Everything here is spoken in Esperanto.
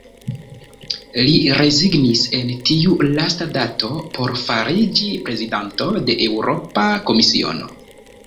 Li rezignis en tiu lasta dato por fariĝi prezidanto de Eŭropa Komisiono.